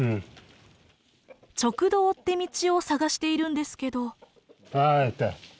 直道って道を探しているんですけど。